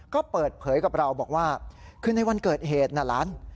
ก็เปิดเผยกับเราบอกว่าคือในวันเกิดเหตุน่ะหลาน